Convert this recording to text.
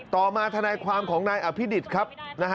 ต่อมาธนายความของนายอภิดิษฐ์ครับ